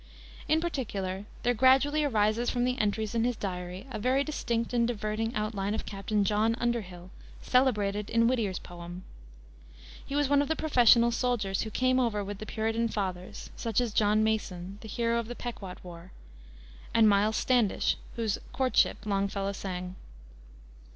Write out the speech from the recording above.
In particular there gradually arises from the entries in his diary a very distinct and diverting outline of Captain John Underhill, celebrated in Whittier's poem. He was one of the few professional soldiers who came over with the Puritan fathers, such as John Mason, the hero of the Pequot War, and Miles Standish, whose Courtship Longfellow sang.